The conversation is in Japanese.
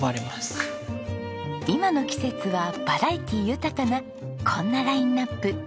今の季節はバラエティー豊かなこんなラインアップ。